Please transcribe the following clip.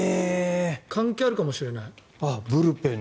関係あるかもしれない。